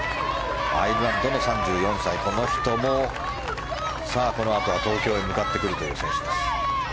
アイルランドの３４歳この人も、さあ、このあとは東京へ向かってくるという選手です。